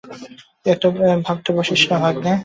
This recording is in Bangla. এত ভাবতে বসিস না, ভাগ্নে!